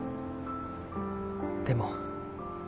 でも。